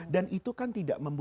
dan itu kan tidak menurut saya